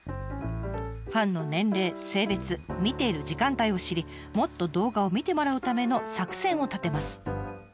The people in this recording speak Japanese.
ファンの年齢性別見ている時間帯を知りもっと動画を見てもらうための作戦を立てます。